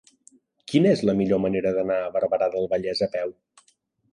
Quina és la millor manera d'anar a Barberà del Vallès a peu?